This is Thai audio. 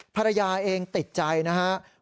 ภรรยาเองติดใจนะครับ